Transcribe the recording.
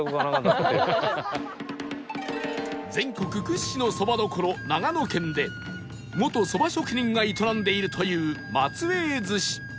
全国屈指のそば処長野県で元そば職人が営んでいるというマツエイ寿司